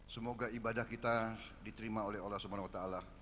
semoga ibadah kita diterima oleh allah swt